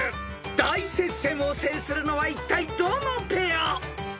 ［大接戦を制するのはいったいどのペア？］